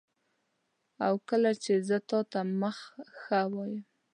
او کله چي زه تاته مخه ښه وایم